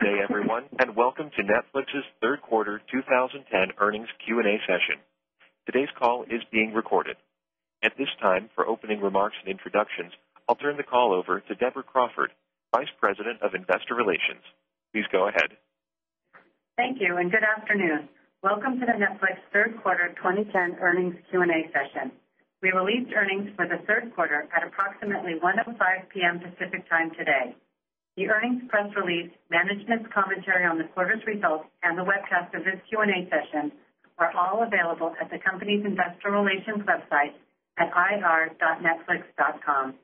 Good day, everyone, and welcome to Netflix's Third Quarter 20 10 Earnings Q and A session. Today's call is being recorded. At this time, for opening remarks and introductions, I'll turn the call over to Deborah Crawford, Vice President of Investor Relations. Please go ahead. Thank you, and good afternoon. Welcome to the Netflix Q3 2010 earnings Q and A session. We released earnings for the Q3 at approximately 1:0:5 p. M. Pacific Time today. The earnings press release, management's commentary on the quarter's results and the webcast of this Q and A session are all available at the company's Investor Relations website at ir.netflix.com.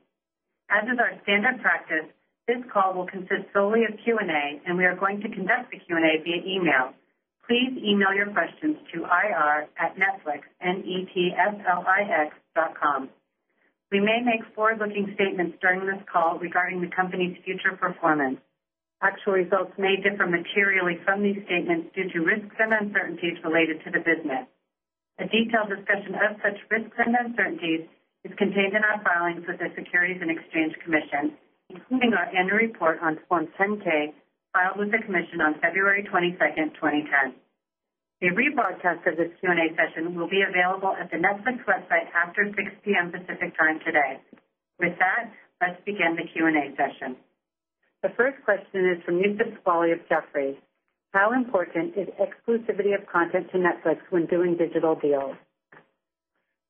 As is our standard practice, this call will consist solely of Q and A and we are going to conduct the Q and A via e mail. Please e mail your questions to irnetflixnetflix.com. We may make forward looking statements during this call regarding the company's future performance. Actual results may differ materially from these statements due to risks and uncertainties related to the business. A detailed discussion of such risks and uncertainties is contained in our filings with the Securities and Exchange Commission, including our Annual Report on Form 10 ks filed with the commission on February 22, 2010. A rebroadcast of this Q and A session will be available at the Netflix website after 6 p. M. Pacific Time today. With that, let's begin the Q and A session. The first question is from Youssef Squali of Jefferies. How important is exclusivity of content to Netflix when doing digital deals?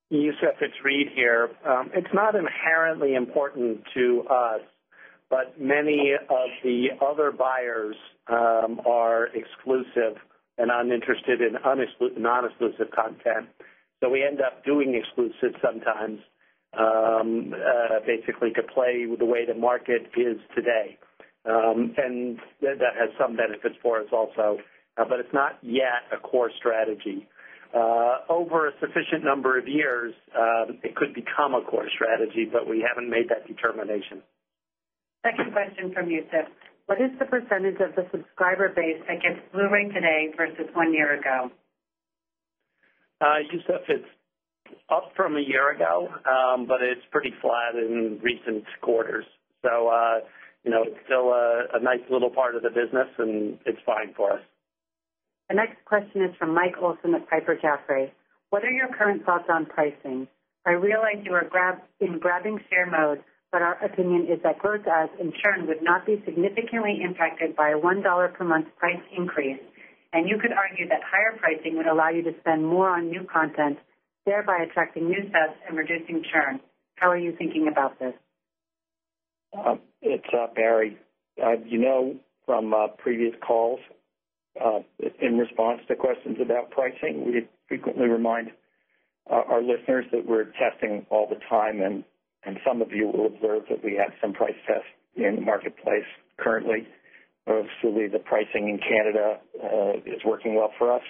Youssef, it's Reed here. It's not inherently important to us, but many of the other buyers are exclusive and uninterested in non exclusive content. So we end up doing exclusive sometimes, basically to play with the way the market is today. And that has some benefits for us also, but it's not yet a core strategy. Over a sufficient number of years, it could become a core strategy, but we haven't made that determination. 2nd question from Youssef. What is the percentage of the but it's pretty flat in recent quarters. So, but it's pretty flat in recent quarters. So, it's still a nice little part of the business and it's fine for us. The next question is from Mike Olson with Piper Jaffray. What are your current thoughts on pricing? I realize you are in grabbing share mode, but our opinion is that growth ads and churn would not be significantly impacted by a $1 per month price increase. And you could argue that higher pricing would allow you to spend more on new content, thereby attracting new sets and reducing churn. How are you thinking about this? It's Barry. You know from previous calls in response to questions about pricing, we frequently remind our listeners that we're testing all the time and some of you will observe that we had some price tests in the marketplace currently. Obviously, the pricing in Canada is working well for us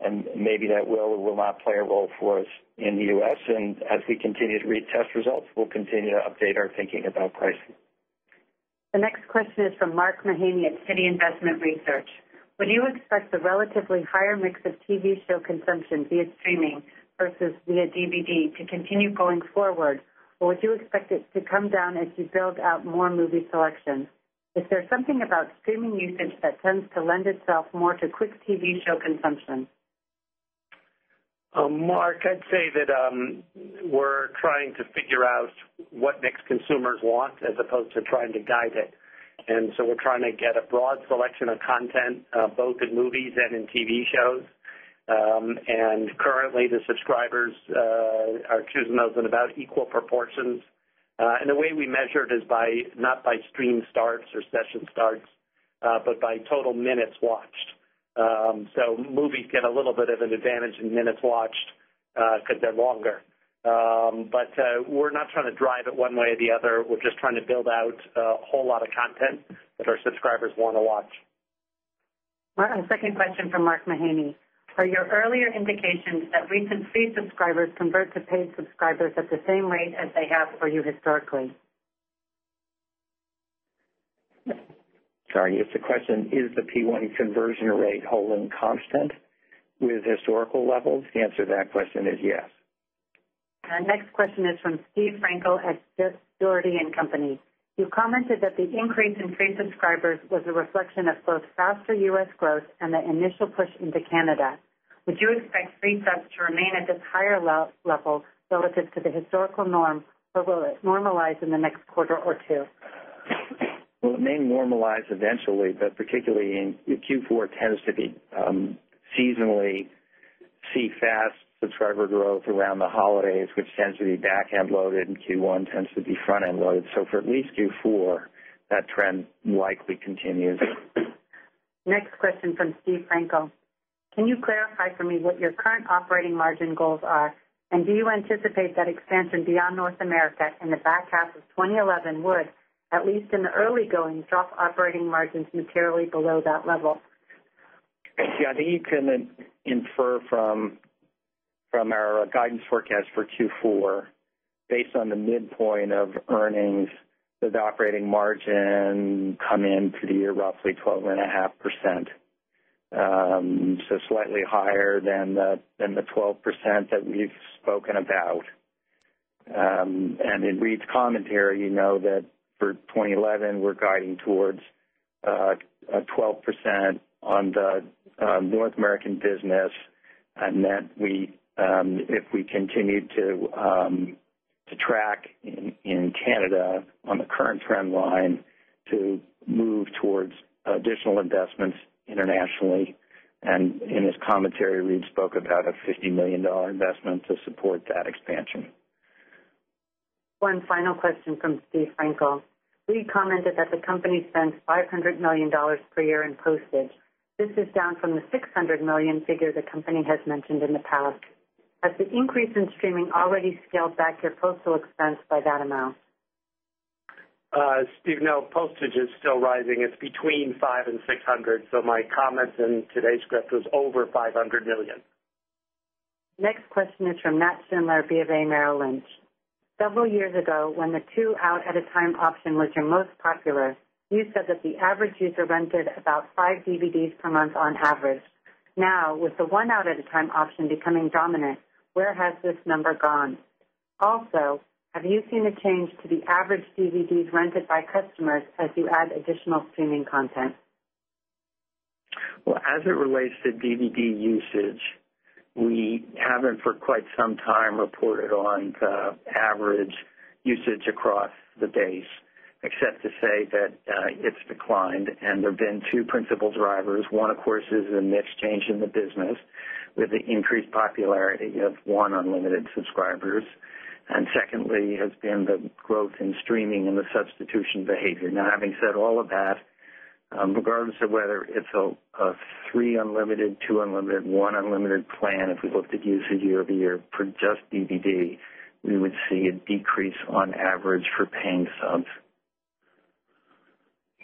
and maybe that will or will not play a role for us in the U. S. And as we continue to read test results, we'll continue to update our thinking about pricing. The next question is from Mark Mahaney at Citi Investment Research. When you expect the relatively higher mix of TV show consumption via streaming versus via DVD to continue going forward? Or would you expect it to come down as you build out more movie selections? Is there something about streaming usage that tends to lend itself more to quick TV show consumption? Mark, I'd say that we're trying to figure out what mix consumers want as opposed to trying to guide it. And so we're trying to get a broad selection of content, both in movies and in TV shows. And currently, the subscribers are choosing those in about equal proportions. And the way we measure it is by not by stream starts or session starts, but by total minutes watched. So movies get a little bit of an advantage in minutes watched because they're longer. But we're not trying to drive it one way or the other. We're just trying to build out a whole lot of content that our subscribers want to watch. And second question from Mark Mahaney. Are your earlier indications that recent free subscribers convert to paid subscribers at the same rate as they have for you historically? Sorry, it's a question. Is the P1 conversion rate holding constant with historical levels? The answer to that question is yes. Our next question is from Steve Frankel at Dougherty and Company. You commented that the increase in free subscribers was a reflection of both faster U. S. Growth and the initial push into Canada. Would you expect free cash to remain at this higher level relative to the historical norm or will it normalize in the next quarter or 2? Well, it may normalize eventually, but particularly in Q4 tends to be seasonally see fast subscriber growth around the holidays, which tends to be back end loaded and Q1 tends to be front end loaded. So for at least Q4, that trend likely continues. Next question from Steve Franco. Can you clarify for me what your current operating margin goals are? And do you anticipate that expansion beyond North America in the back half of twenty eleven would, at least in the early going, drop operating margins materially below that level? Yes, I think you can infer from our guidance forecast for Q4 based on the midpoint of earnings, the operating margin come in for the year roughly 12.5%. So slightly higher than the 12% that we've spoken about. And in Reed's commentary, you know that for 2011, we're guiding towards 12% on the North American business and that we if we continue to track in Canada on the current trend line to move towards additional investments internationally. And in his commentary, Reed spoke about a $50,000,000 investment to support that expansion. One final question from Steve Frankel. We commented that the company spends $500,000,000 per year in postage. This is down from the $600,000,000 figure the company has mentioned in the past. Has the increase in streaming already scaled back your postal expense by that amount? Steve, no postage is still rising. It's between $500,000,000 $600,000 So my comments in today's script was over $500,000,000 Next question is from Matt Schindler, BofA Merrill Lynch. Several years ago, when the 2 out at a time option was your most popular, you said that the average user rented about 5 DVDs per month on average. Now with the 1 out at a time option becoming dominant, where has this number gone? Also, have you seen the change to the average DVDs rented by customers as you add additional streaming content? Well, as it relates to DVD usage, we haven't for quite some time reported on the average usage across the base, except to say that it's declined. And there have been 2 principal drivers. 1, of course, is a mix change in the business with the increased popularity of 1, unlimited subscribers and secondly has been the growth in streaming and the substitution behavior. Now having said all of that, regardless of whether it's a 3 unlimited, 2 unlimited, 1 unlimited plan, if we look to use it year over year for just DVD, we would see a decrease on average for paying subs.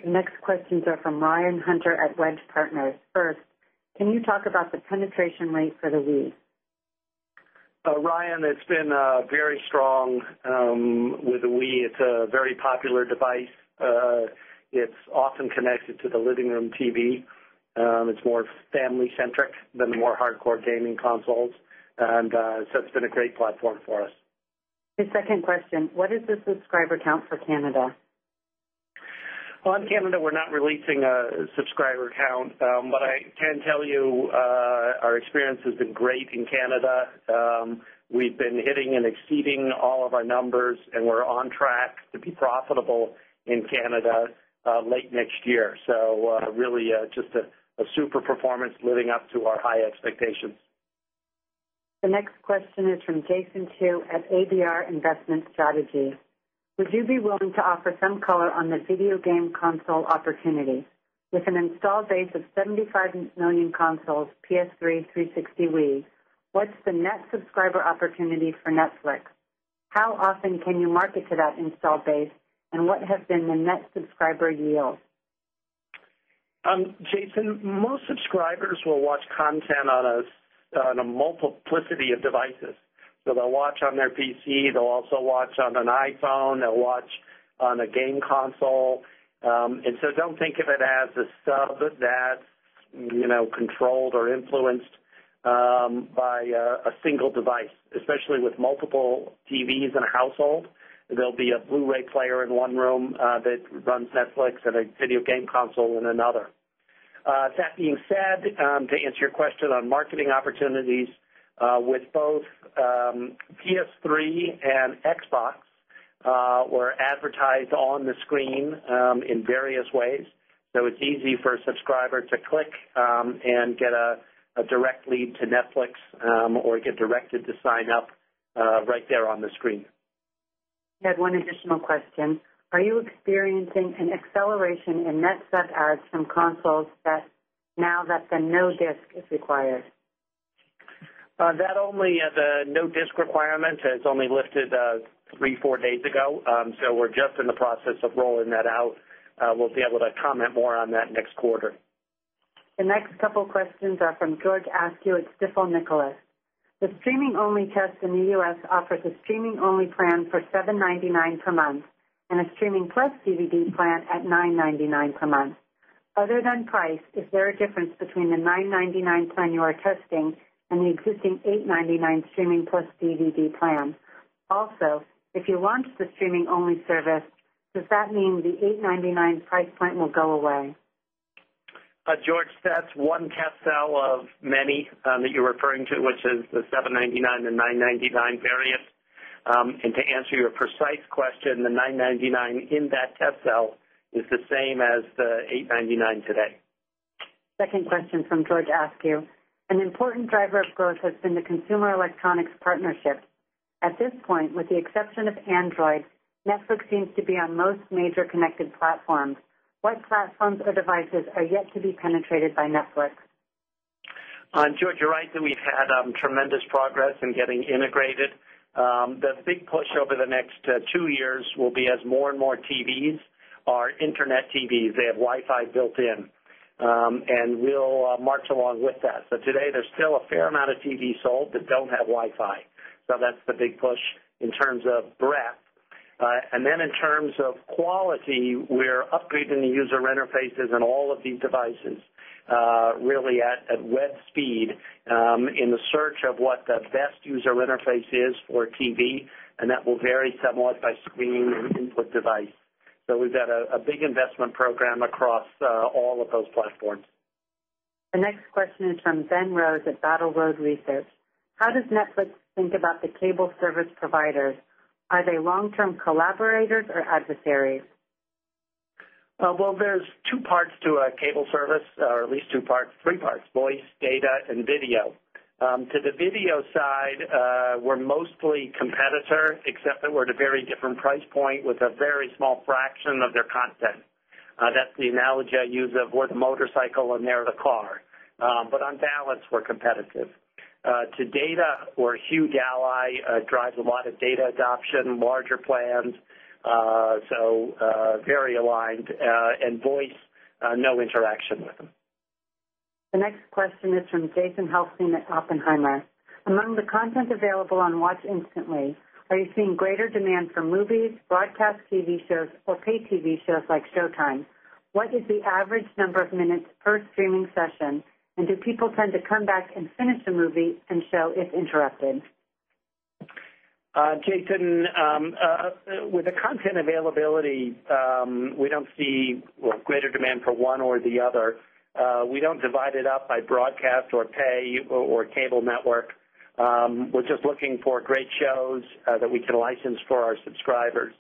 Next questions are from Ryan Hunter at Wedge Partners. First, can you talk about the penetration rate for the lease? Ryan, it's been very strong with the Wii. It's a very popular device. It's often connected to the living room TV. It's more family centric than more hardcore gaming consoles. And so it's been a great platform for us. The second question, what is the subscriber count for Canada? Well, in Canada, we're not releasing a subscriber count. But I can tell you, our experience has been great in Canada. We've been hitting and exceeding all of our numbers and we're on track to be profitable in Canada late next year. So really just a super performance living up to our high expectations. The next question is from Jason Chu at ABR Investment Strategy. Would you be willing to offer some color on the video game console opportunity With an installed base of 75,000,000 consoles, PS3, 360 Wii, what's the net subscriber opportunity for Netflix? How often can you market to that installed base? And what has been the net subscriber yield? Jason, most subscribers will watch content on a multiplicity of devices. So they'll watch on their PC, they'll also watch on an iPhone, they'll watch on a game console. And so don't think of it as a sub that controlled or influenced by a single device, especially with multiple TVs in a household. There'll be a Blu Ray player in one room that runs Netflix and a video game console in another. That being said, to answer your question on marketing opportunities with both PS3 and Xbox were advertised on the screen in various ways. So it's easy for a subscriber to click and get a direct lead to Netflix or get directed to sign up right there on the screen. I had one additional question. Are you experiencing an acceleration in net set adds from consoles that now that the no disc is required? That only the no disc requirement has only lifted 3, 4 days ago. So we're just in the process of rolling that out. We'll be able to comment more on that next quarter. The next couple of questions are from George Askew at Stifel Nicolaus. The streaming only test in the U. S. Offers a streaming only plan for $7.99 per month and a streaming plus CBD plan at $9.99 per month. Other than price, is there a difference between the $9.99 plan you are testing and the existing $8.99 streaming plus DVD plan? Also, if you launch the streaming only service, does that mean the $8.99 price point will go away? George, that's one cat sell of many that you're referring to, which is the $7.99 to $9.99 variant. And to answer your precise question, the $9.99 in that test cell is the same as the $8.99 today. 2nd question from George Askew. An important driver of growth has been the consumer electronics partnership. At this point, with the exception of Android, Netflix seems to be on most major connected platforms. What platforms or devices are yet to be penetrated by Netflix? George, you're right that we've had tremendous progress in getting integrated. The big push over the next 2 years will be as more and more TVs are Internet TVs. They have Wi Fi built in, and we'll march along with that. So today, there's still a fair amount of TVs sold that don't have Wi Fi. So that's the big push in terms of breadth. And then in terms of quality, we're upgrading the user interfaces in all of these devices really at web speed in the search of what the best user interface is for TV and that will vary somewhat by screen and input device. So we've got a big investment program across all of those platforms. The next question is from Ben Rose at Battle Road Research. How does Netflix think about the cable service providers? Are they long term collaborators or adversaries? Well, there's 2 parts to a cable service or at least 2 parts, 3 parts, voice, data and video. To the video side, we're mostly competitor except that we're at a very different price point with a very small fraction competitive. To data or huge ally drives a lot of data adoption, larger plans, so very aligned and voice, no interaction with them. The next question is from Jason Helfstein at Oppenheimer. Among the content available on Watch Instantly, are you seeing greater demand for movies, broadcast TV shows or pay TV shows like Showtime? What is the average number of minutes per streaming session? And do people tend to come back and finish the movie and show if interrupted? Jason, with the content availability, we don't see greater demand for 1 or the other. We don't divide it by broadcast or pay or cable network. We're just looking for great shows that we can license for our subscribers.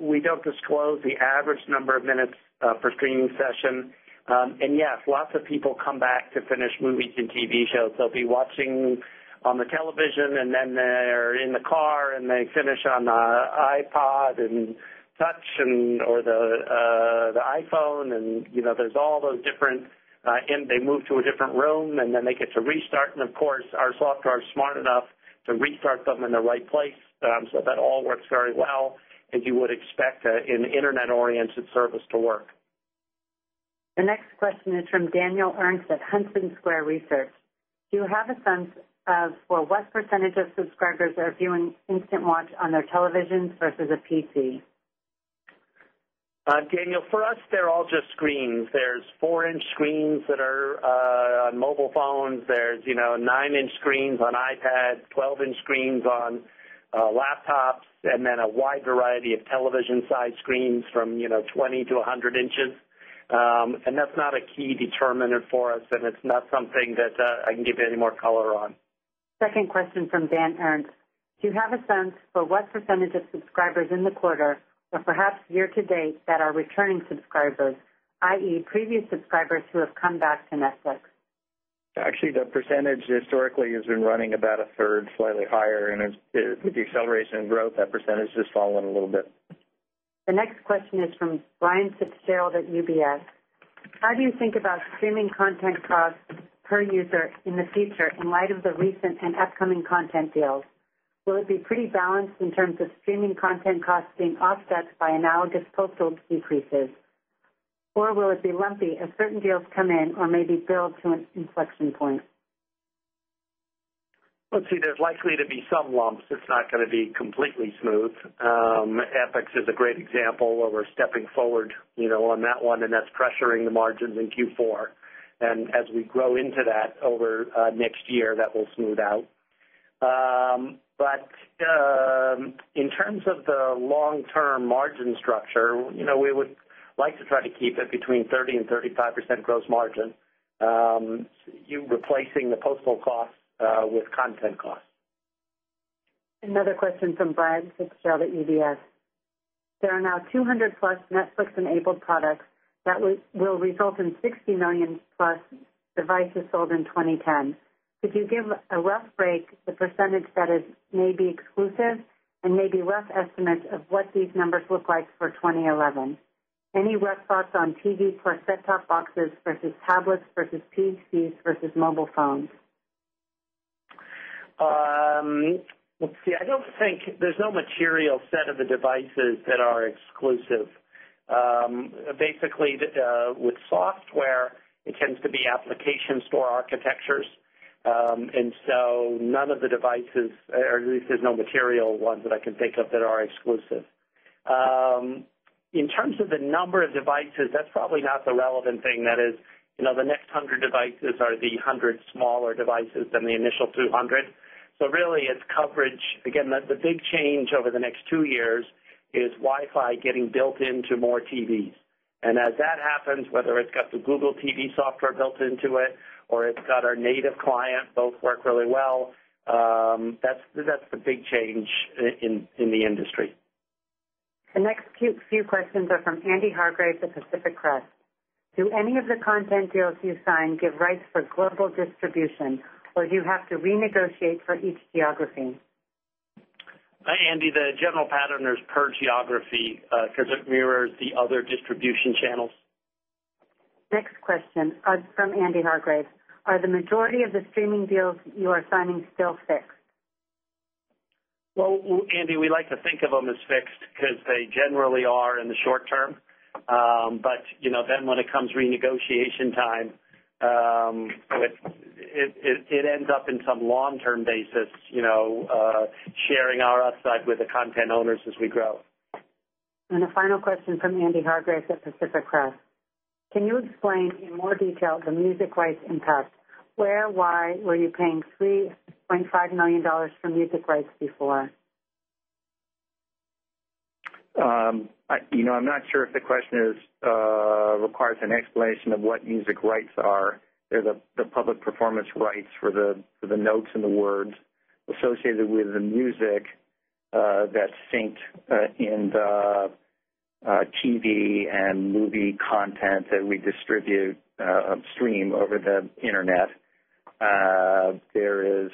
We don't disclose the average number of minutes per streaming session. And yes, lots of people come back to finish movies and TV shows. They'll be watching on the television and then they're in the car and they finish on the iPad and touch and or the iPhone and there's all those different and they move to a different room and then they get to restart. And of course, our software is smart enough to restart them in the right place. So that all works very well as you would expect an Internet oriented service to work. The next question is from Daniel Ernst at Hudson Square Research. Do you have a sense of what percentage of subscribers are viewing Instant Watch on their televisions versus a PC? Daniel, for us, they're all just screens. There's 4 inches screens that are on mobile phones. There's 9 inches screens on iPad, 12 inches screens on laptops and then a wide variety of television sized screens from 20 inches to 100 inches And that's not a key determinant for us and it's not something that I can give you any more color on. 2nd question from Dan Ernst. Do you have a sense for what percentage of subscribers in the quarter or perhaps year to date that are returning subscribers, I. E. Previous subscribers who have come back to Netflix? Actually, the percentage historically has been running about a third slightly higher and with the acceleration in growth, that percentage has fallen a little bit. The next question is from Brian Fitzgerald at UBS. How do you think about streaming content costs per user in the future in light of the recent and upcoming content deals? Will it be pretty balanced in terms of streaming content costs being offset by analogous postal decreases? Or will it be lumpy as certain deals come in or maybe build to an inflection point? Let's see. There's likely to be some lumps. It's not going to be completely smooth. FX is a great example where we're stepping forward on that one and that's pressuring the margins in Q4. And as we grow into that over next year, that will smooth out. But in terms of the long term margin structure, we would like to try to keep it between 30% 35% gross margin, replacing the postal costs with content costs. Another question from Brad Fitzgerald at UBS. There are now 200 plus Netflix enabled products that will result in 60,000,000 plus devices sold in 2010. Could you give a rough break, the percentage that is maybe exclusive and maybe rough estimates of what these numbers look like for 2011? Any rough thoughts on TV plus set top boxes versus tablets versus PCs versus mobile phones? Let's see. I don't think there's no material set of the devices that are exclusive. Basically, with software, it tends to be application store architectures. And so none of the devices or at least there's no material ones that I can think of that are exclusive. In terms of the number of devices, that's probably not the relevant thing that is the next 100 devices are the 100 smaller devices than the initial 200. So really it's coverage. Again, the big change over the next 2 years is Wi Fi getting built into more TVs. And as that happens, whether it's got the Google TV software built into it or it's got our native client, both work really well, That's the big change in the industry. The next few questions are from Andy Hargrave with Pacific Crest. Do any of the content deals you signed give rights for global distribution or you have to renegotiate for each geography? Andy, the general pattern is per geography because it mirrors the other distribution channels. Next question from Andy Hargrave. Are the majority of the streaming deals you are signing still fixed? Well, Andy, we like to think of them as fixed because they generally are in the short term. But then when it comes renegotiation time, it ends up in some long term basis sharing our upside with the content owners as we grow. And the final question from Andy Hargreaves at Pacific Crest. Can you explain in more detail the music rights impact? Where, why were you paying 3 $500,000 for music rights before? I'm not sure if the question is requires an explanation of what music rights are. They're the public performance rights for the notes and the words associated with the music that synced in the TV and movie content that we distribute upstream over the Internet. There is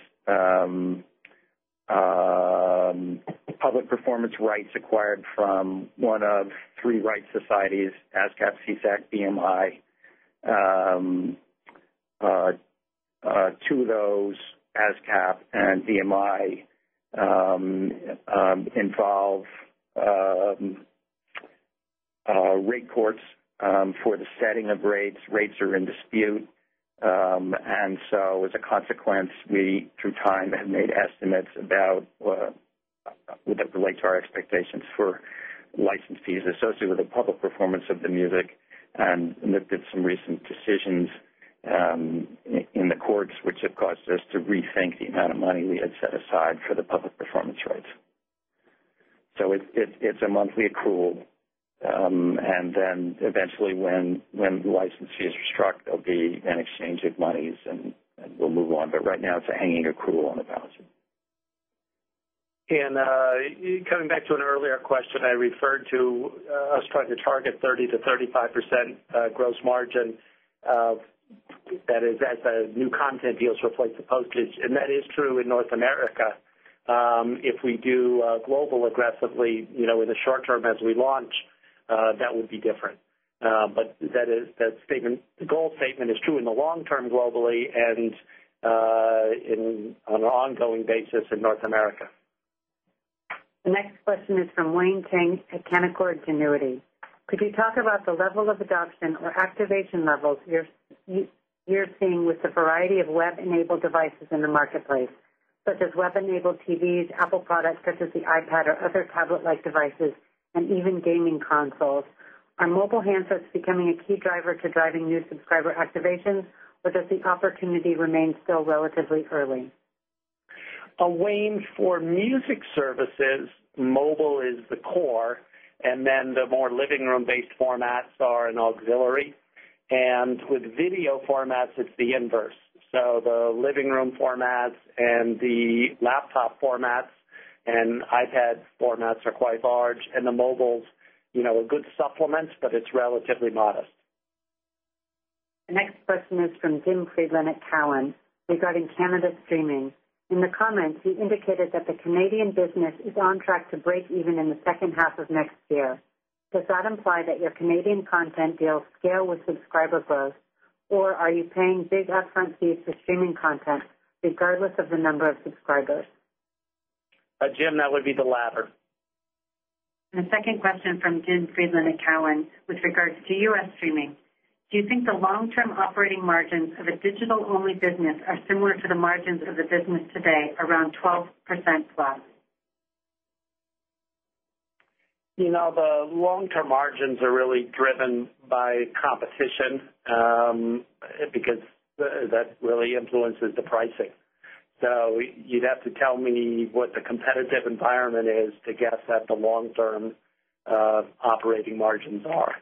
public performance rights acquired from 1 of 3 rights societies, ASCAP, CSAC, BMI. 2 of those ASCAP and BMI involve rate courts for the setting of rates. Rates are in dispute. And so as a consequence, we through time have made estimates about whether it relates to our expectations for license fees associated with the public performance of the music and that did some recent decisions in the courts, which have caused us to rethink the amount of money we had set aside for the public performance rights. So it's a monthly accrual. And then eventually, when the licensees are struck, there'll be an exchange of monies and we'll move on. But right now, it's a hanging accrual on the balance sheet. And coming back to an earlier question, I referred to us trying to target 30% to 35% gross margin that is as new content deals replace the postage. And that is true in North America. If we do global aggressively in the short term as we launch, that would be different. But that statement the goal statement is true in the long term globally and on an ongoing basis in North America. The next question is from Wayne Chang at Canaccord Genuity. Could you talk about the level of adoption or activation levels you're seeing with the variety of web enabled devices in the marketplace, such as web enabled TVs, Apple products such as the iPad or other tablet like devices and even gaming consoles. Are mobile handsets becoming a key driver to driving new subscriber activations, or does the opportunity remain still relatively early? Wayne, for music services, mobile is the core and then the more living room based formats are in auxiliary. And with video formats, it's the inverse. So the living room formats and the laptop formats and iPad formats are quite large and the mobiles are good supplements, but it's relatively modest. The next question is from Jim Friedland at Cowen regarding Canada streaming. In the comments, you indicated that the Canadian business is on track to breakeven in the second half of next year. Does that imply that your Canadian content deals scale with subscriber growth? Or are you paying big upfront fees for streaming content regardless of the number of subscribers? Jim, that would be the latter. The second question from Jim Friedman at Cowen. With regards to U. S. Streaming, do you think the long term operating margins of a digital only business are similar to the margins of the business today around 12% -plus? The long term margins are really driven by competition because that really influences the pricing. So you'd have to tell me what the competitive environment is to guess at the long term operating margins are.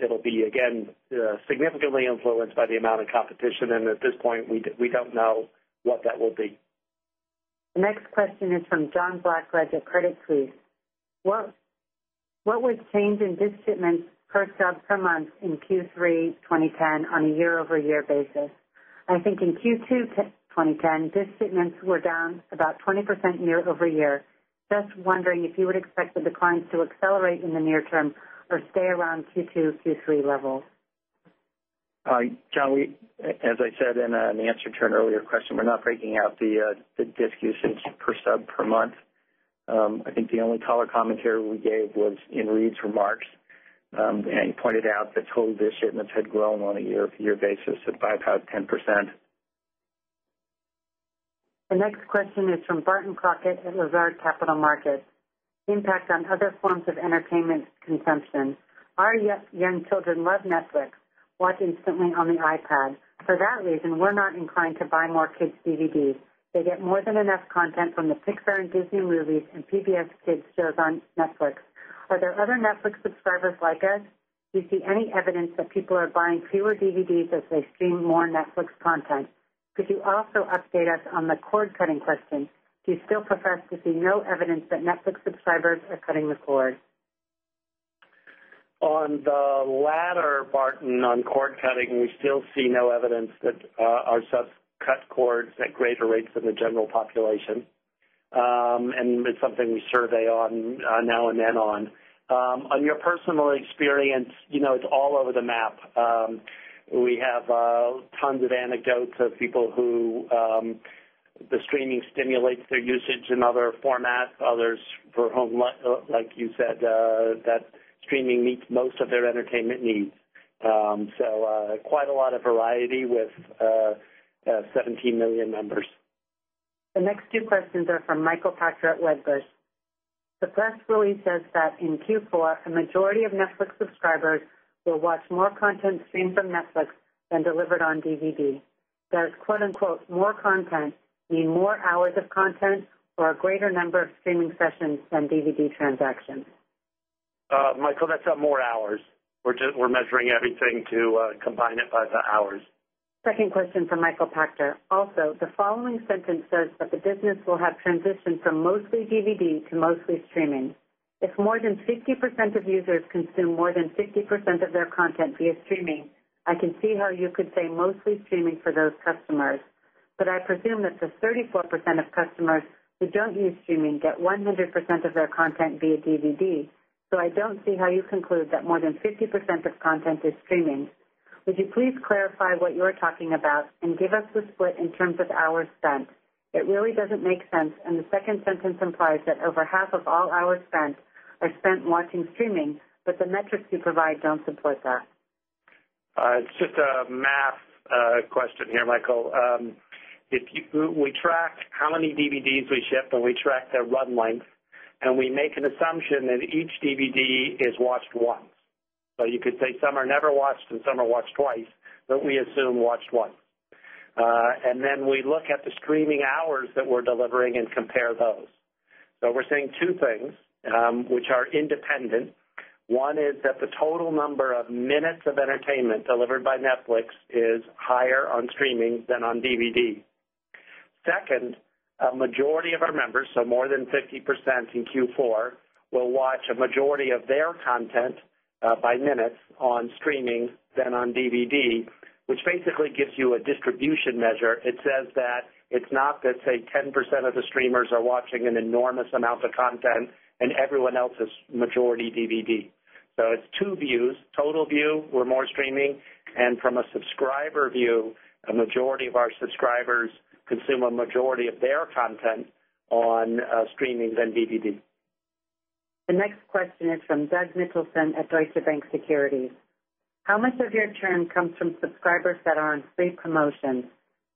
It will be again significantly influenced by the amount of competition and at this point we don't know what that will be. Next question is from John Blackledge of Credit Suisse. What would change in disc shipments per sales per month in Q3 2010 on a year over year basis? I think in Q2 2010, BIST statements were down about 20% year over year. Just wondering if you would expect the declines to accelerate in the near term or stay around Q2, Q3 levels? John, we as I said in the answer to an earlier question, we're not breaking out the DISC usage per sub per month. I think the only color commentary we gave was in Reed's remarks. And he pointed out that total VISH shipments had grown on a year over year basis at 5% to 10%. The next question is from Barton Crockett at Lazard Capital Markets. Impact on other forms of entertainment consumption. Our young children love Netflix, watch instantly on the iPad. For that reason, we're not inclined to buy more kids DVDs. They get more than enough content from the Pixar and Disney movies and PBS Kids shows on Netflix. Are there other Netflix subscribers like us? Do you see any evidence that people are buying fewer DVDs as they stream more Netflix content? Could you also update us on the cord cutting question? Do you still prefer to see no evidence that Netflix subscribers are cutting the cord? On the latter, Barton, on cord cutting, we still see no evidence that our subs cut cords at greater rates than the general population. And it's something we survey on now and then on. On your personal experience, it's all over the map. We have tons of anecdotes of people who the streaming stimulates their usage in other formats, others for home, like you said, that streaming meets most of their entertainment needs. So quite a lot of variety with 17,000,000 members. The next two questions are from Michael Patrick at Wedbush. The press release says that in Q4, the majority of Netflix subscribers will watch more content streamed from Netflix than delivered on DVD. That is more content, mean more hours of content or a greater number of streaming sessions than DVD transactions? Michael, that's more hours. We're measuring everything to combine it by the hours. Second question for Michael Pachter. Also, the following sentence says that the business will have transitioned from mostly DVD to mostly streaming. If more than 50% of users consume more than 50% of their content via streaming, I can see how you could say mostly streaming for those customers. But I presume that the 34% of customers who don't use streaming get 100% of their content via DVD. So I don't see how you conclude that more than 50% of content is streaming. Would you please clarify what you're talking about and give us the split in terms of hours spent? It really doesn't make sense and the second sentence implies that over half of all hours spent are spent watching streaming, but the metrics you provide don't support that. It's just a math question here, Michael. If we track how many DVDs we ship and we track their run length and we make an assumption that each DVD is watched once. So you could say some are never watched and some are watched twice, but we assume watched once. And then we look at the streaming hours that we're delivering and compare those. So we're seeing 2 things, which are independent. One is that the total number of minutes of entertainment delivered by Netflix is higher on streaming than on DVD. 2nd, a majority of our members, so more than 50% in Q4, will watch a majority of their content by minutes on streaming than on DVD, which basically gives you a distribution measure. It says that it's not that say 10% of the streamers are watching an enormous amount of content and everyone else is majority DVD. So it's 2 views, total view, we're more streaming and from a subscriber view, a majority of our subscribers consume a majority of their content on streamings and DVD. The next question is from Doug Mitchelson at Deutsche Bank Securities. How much of your churn comes from subscribers that are on free promotions?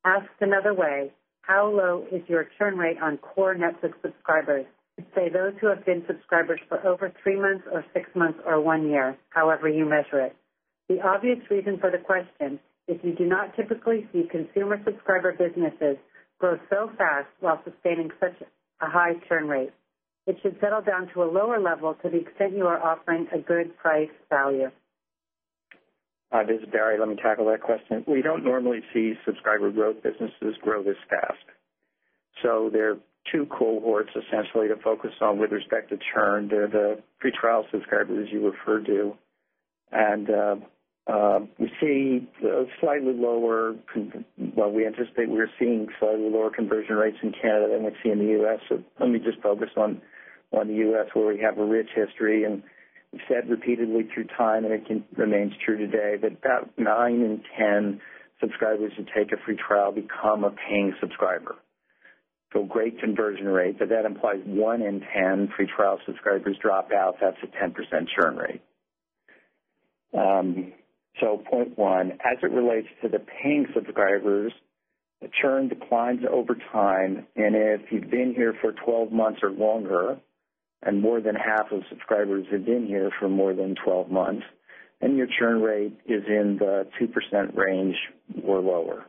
Asks another way, how low is your churn rate on core Netflix subscribers? Say those who have been subscribers for over 3 months or 6 months or 1 year, however you measure it. The obvious reason for the question is you do not typically see consumer subscriber businesses grow so fast while sustaining such a high churn rate. It should settle down to a lower level to the extent you are offering a good price value. Hi, this is Barry. Let me tackle that question. We don't normally see subscriber growth businesses grow this fast. So there are 2 cohorts essentially to focus on with respect to churn. They're the pretrial subscriber as you referred to. And we see slightly lower what we anticipate we're seeing slightly lower conversion rates in Canada than we see in the U. S. So let me just focus on the U. S. Where we have a rich history. And we've said repeatedly through time, and it remains true today, that about 9 in 10 subscribers who take a free trial become a paying subscriber. So great conversion rate, but that implies 1 in 10 free trial subscribers drop out, that's a 10% churn rate. So point 1, as it relates to the paying subscribers, the churn declines over time. And if you've been here for 12 months or longer, and more than half of subscribers have been here for more than 12 months, and your churn rate is in the 2% range or lower.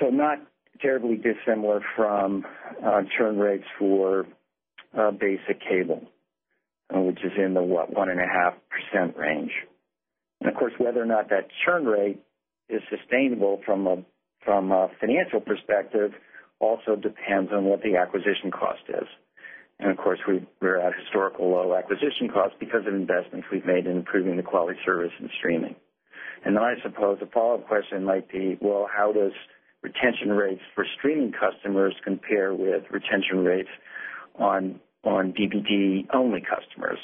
So not terribly dissimilar from churn rates for basic cable, which is in the, what, 1.5% range. And of course, whether or not that churn rate is sustainable from a financial perspective also depends on what the acquisition cost is. And of course, we're at historical low acquisition cost because of investments we've made in improving the quality service and streaming. And then I suppose a follow-up question might be, well, how does retention rates for streaming customers compare with retention rates on DBD only customers?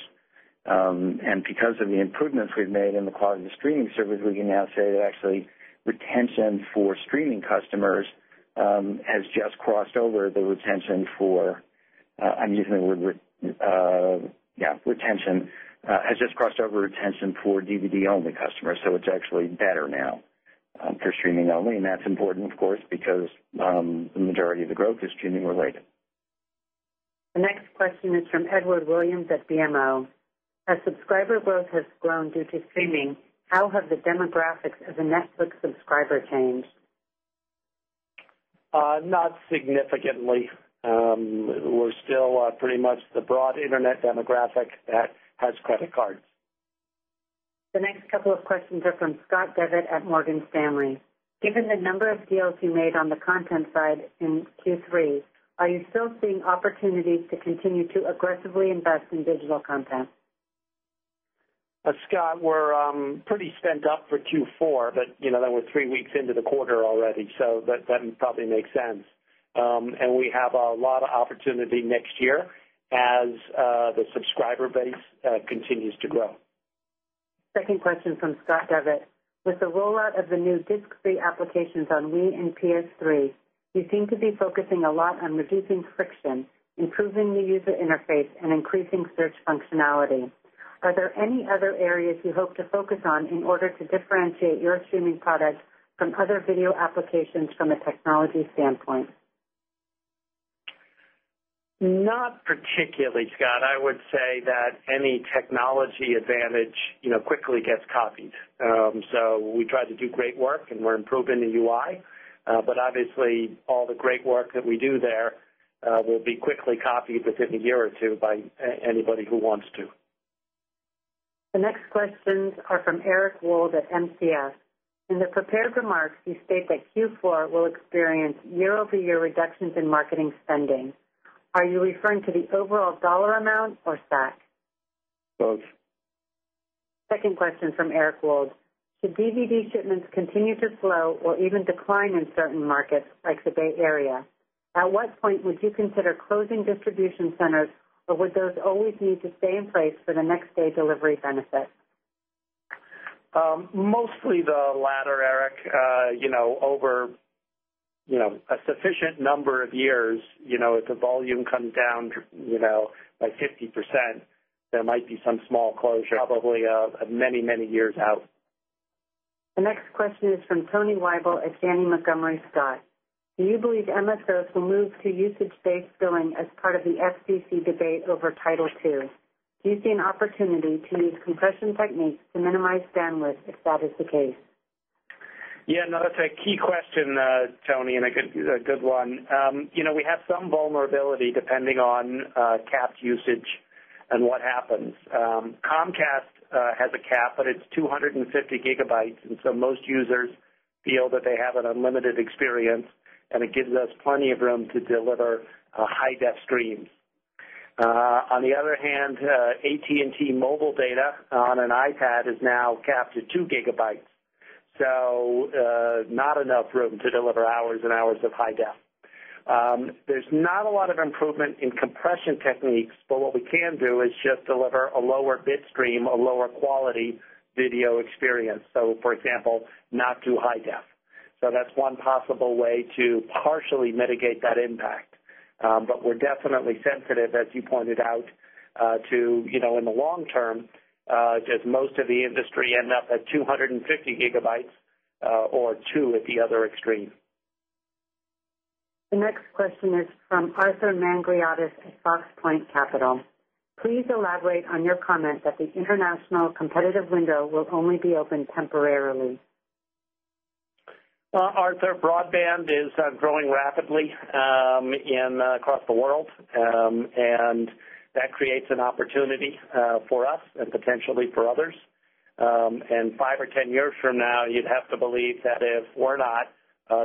And because of the improvements we've made in the quality streaming service, we can now say that actually retention for streaming customers has just crossed over the retention for I'm using the word yes, retention has just crossed over retention for DVD only customers. So it's actually better now for streaming only. And that's important, of course, because the majority of the growth is streaming related. The next question is from Edward Williams at BMO. As subscriber growth has grown due to streaming, how have the demographics of the Netflix subscriber changed? Not significantly. We're still pretty much the broad Internet demographic that has credit cards. The next couple of questions are from Scott Devitt at Morgan Stanley. Given the number of deals you made on the content side in Q3, are you still seeing opportunities to continue to aggressively invest in digital content? Scott, we're pretty spent up for Q4, but then we're 3 weeks into the quarter already. So that probably makes sense. And we have a lot of opportunity next year as the subscriber base continues to grow. 2nd question from Scott Devitt. With the rollout of the new disc 3 applications on Wii and PS3, you seem to be focusing a lot on reducing friction, improving the user interface and increasing search functionality. Are there any other areas you hope to focus on in order to differentiate your Xumi product from other video applications from a technology standpoint? Not particularly, Scott. I would say that any technology advantage quickly gets copied. So we try to do great work and we're improving the UI. But obviously, all the great work that we do there will be quickly copied within a year or 2 by anybody who wants to. The next questions are from Eric Wold at MCS. In the prepared remarks, you state that Q4 will experience year over year reductions in marketing spending. Are you referring to the overall dollar amount or SAC? Both. 2nd question from Eric Wold. Should DVD shipments continue to slow or even decline in certain markets like the Bay Area, at what point would you consider closing distribution centers or would those always need to stay in place for the next day delivery benefit? Mostly the latter, Eric. Over a sufficient number of years, if the volume comes down by 50%, there might be some small closure, probably many, many years out. The next question is from Tony Wybel at Janney Montgomery Scott. Do you believe MSOs will move to usage based billing as part of the FCC debate over Title II? Do you see an opportunity to use compression techniques to minimize bandwidth if that is the case? Yes. No, that's a key question, Tony, and a good one. We have some vulnerability depending on capped usage and what happens. Comcast has a cap, but it's 250 gigabytes. And so most users feel that they have an unlimited experience and it gives us plenty of room to deliver high def streams. On the other hand, AT and T mobile data on an iPad is now capped at 2 gigabytes. So not enough room to deliver hours and hours of high def. There's not a lot of improvement in compression techniques, but what we can do is just deliver a lower bit stream, a lower quality video experience. So for example, not too high def. So that's one possible way to partially mitigate that impact. But we're definitely sensitive, as you pointed out, to in the long term, as most of the industry end up at 2 50 gigabytes or 2 at the other extreme. The next question is from Arthur Mangreates at Fox Point Capital. Please elaborate on your comment that the international competitive window will only be open temporarily. Arthur, broadband is growing rapidly across the world, and that creates an opportunity for us and potentially for others. And 5 or 10 years from now, you'd have to believe that if we're not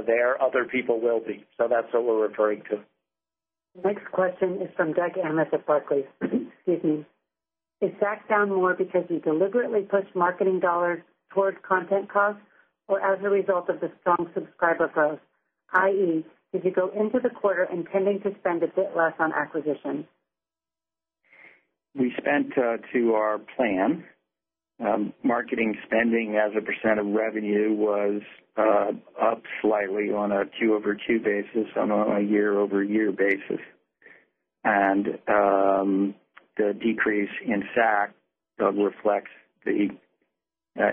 there, other people will be. So that's what we're referring to. Next question is from Doug Anmuth at Barclays. Is that down more because you deliberately pushed marketing dollars towards content costs or as a result of the strong subscriber growth, I. E, did you go into the quarter intending to spend a bit less on acquisitions? We spent to our plan. Marketing spending as a percent of revenue was up slightly on a Q over Q basis on a year over year basis. And the decrease in SAC reflects the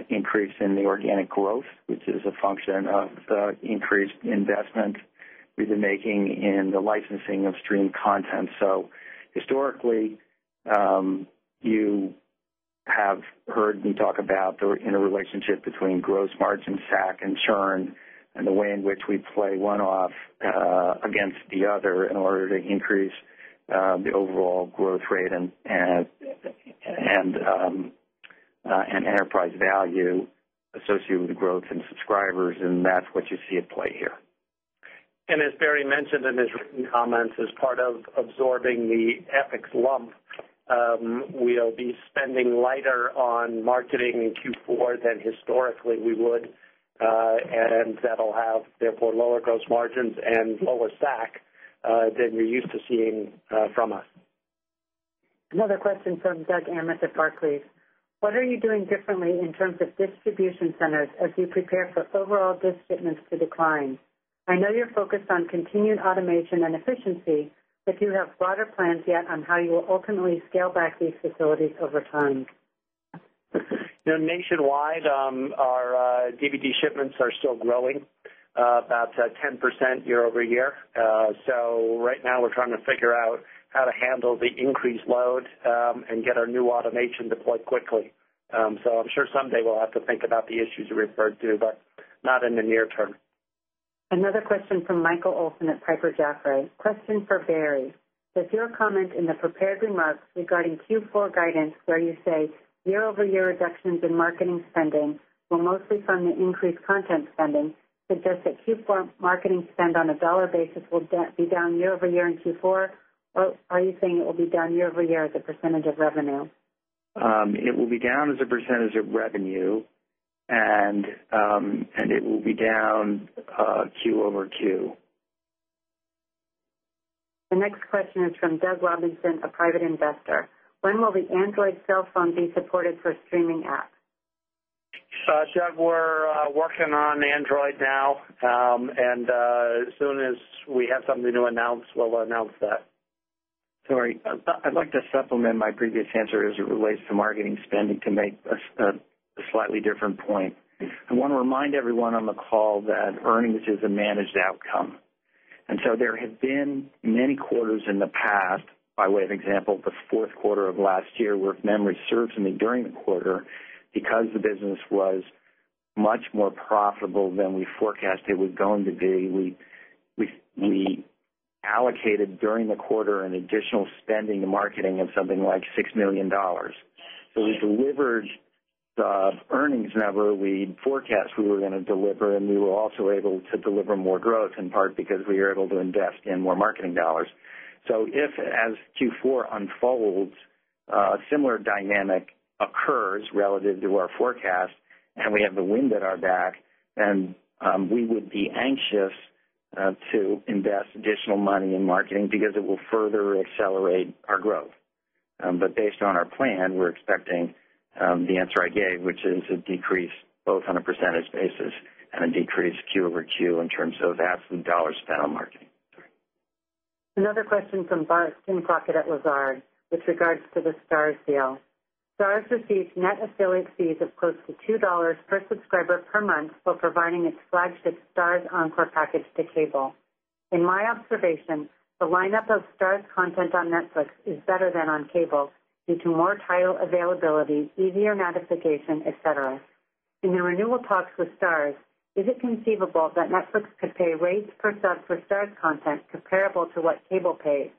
increase in the organic growth, which is a function of the increased investment we've been making in the licensing of stream content. So historically, you have heard me talk about the interrelationship between gross margin SAC and churn and the way in which we play one off against the other in order to increase the overall growth rate and enterprise value associated with the growth in subscribers, and that's what you see at play here. And as Barry mentioned in his written comments, as part of absorbing the epics lump, we'll be spending lighter on marketing in Q4 than historically we would, and that will have, therefore, lower gross margins and lower SAC than you're used to seeing from us. Another question from Doug Anmuth at Barclays. What are you doing differently in terms business to decline? I know you're focused on continued automation and efficiency, but do you have broader plans yet on how you will ultimately scale back these facilities over time? Nationwide, our DVD shipments are still growing about 10% year over year. So right now, we're trying to figure out how to handle the increased load and get our new automation deployed quickly. So I'm sure someday we'll have to think about the issues you referred to, but not in the near term. Another question from Michael Olson at Piper Jaffray. Question for Barry. With your comment in the prepared remarks regarding Q4 guidance where you say year over year reductions in marketing spending will mostly fund the increased content spending, suggests that Q4 marketing spend on a dollar basis will be down year over year in Q4? Or are you saying it will be down year over year as a percentage of revenue? It will be down as a percentage of revenue and it will be down Q over Q. The next question is from Doug Robinson, a private investor. When will the Android cell phone be supported for streaming app? So, Chad, we're working on Android now. And as soon as we have something to announce, we'll announce that. Sorry. I'd like to supplement my previous answer as it relates to marketing spending to make a slightly different point. I want to remind everyone on the call that earnings is a managed outcome. And so there have been many quarters in the past, by way of example, the Q4 of last year, where if memory serves me during the quarter, because the business was much more profitable than we forecast it was going to be. We allocated during the quarter an additional spending marketing of something like $6,000,000 So we delivered the earnings number we forecast we were going to deliver and we were also able to deliver more growth in part because we are able to invest in more marketing dollars. So if as Q4 unfolds, similar dynamic occurs relative to our forecast and we have the wind at our back and we would be anxious to invest additional money in marketing because it will further accelerate our growth. But based on our plan, we're expecting the answer I gave, which is a decrease both on a percentage basis and a decrease q over q in terms of absolute dollars spent on marketing. Another question from Bart Pinclockett at Lazard with regards to the Starz sale. Starz received net affiliate fees of close to $2 per subscriber per month, while providing its flagship Starz Encore package to cable. In my observation, the lineup of Starz content on Netflix is better than on cable due to more title availability, easier notification, etcetera. In the renewal talks with Starz, is it conceivable that Netflix could pay rates for subs for Starz content comparable to what cable pays?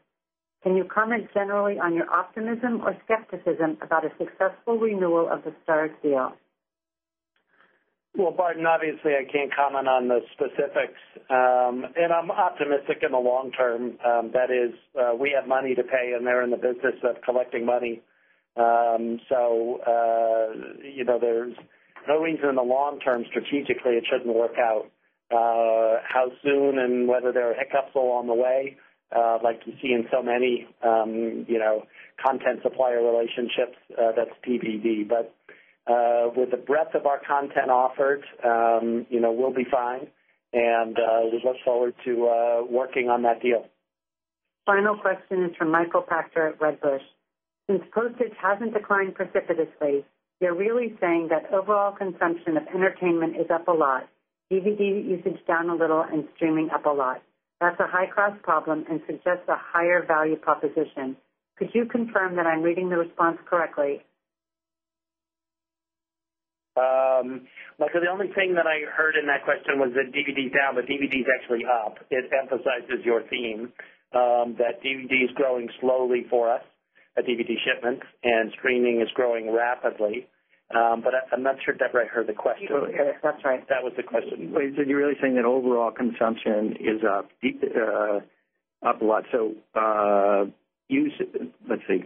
Can you comment generally on your optimism or skepticism about a successful renewal of the Starz deal? Well, Barton, obviously, I can't comment on the specifics. And I'm optimistic in the long term. That is we have money to pay and they're in the business of collecting money. So there's no reason in the long term, strategically, it shouldn't work out how soon and whether there are hiccups along the way like you see in so many content supplier relationships, that's TBD. But with the breadth of our content offered, we'll be fine. And we look forward to working on that deal. Final question is from Michael Factor at Redbush. Since postage hasn't declined precipitously, they're really saying that overall consumption of entertainment is up a lot, DVD usage down a little and streaming up a lot. That's a high cost problem and suggests a higher value proposition. Could you confirm that I'm reading the response correctly? Michael, the only thing that I heard in that question was that DVD is down, but DVD is actually up. It emphasizes your theme that DVD is growing slowly for us at DVD shipments and streaming is growing rapidly. But I'm not sure Deborah heard the question. That was the question. So you're really saying that overall consumption is up a lot. So, use let's see,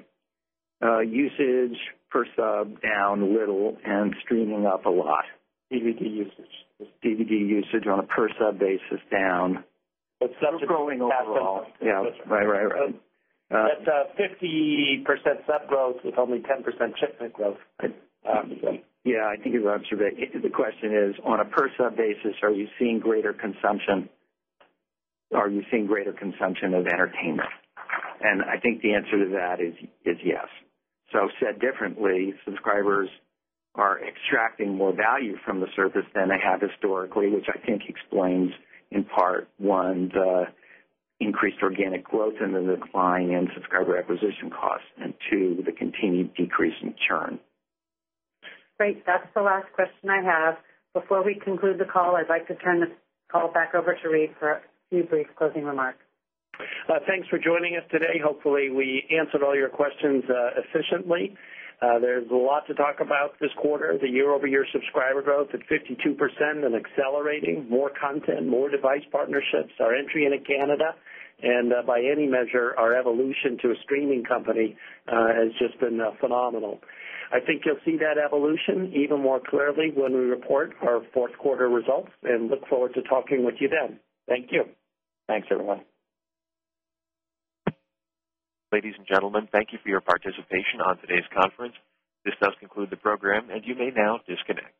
usage per sub down a little and streaming up a lot. DVD usage. DVD usage on a per sub basis down. But sub growth is growing overall. Yes, right, right. That's 50% sub growth with only 10% shipment growth. Yes, I think the question is on a per sub basis, are you seeing greater consumption? Are you seeing greater consumption of entertainment? And I think the answer to that is yes. So said differently, subscribers are extracting more value from the surface than they have historically, which I think explains in part, 1, the increased organic growth and the decline in subscriber acquisition costs and 2, the continued decrease in churn. Great. That's the last question I have. Before we conclude the call, I'd like to turn the call back over to Reade for a few brief closing remarks. Thanks for joining us today. Hopefully, we answered all your questions efficiently. There's a lot to talk about this quarter. The year over year subscriber growth at 52% and accelerating more content, more device partnerships, our entry into Canada and by any measure, our evolution to a streaming company has just been phenomenal. I think you'll see that evolution even more clearly when we report our Q4 results and look forward to talking with you then. Thank you. Thanks, everyone. Ladies and gentlemen, thank you for your participation on today's conference. This does conclude the program and you may now disconnect.